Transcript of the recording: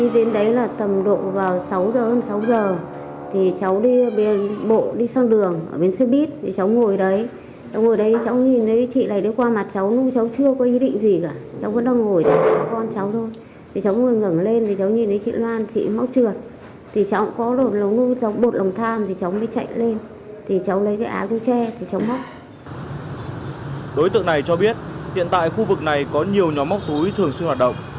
đối tượng này cho biết hiện tại khu vực này có nhiều nhóm mốc túi thường xuyên hoạt động